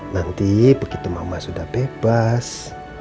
nanti begitu mama sudah bebas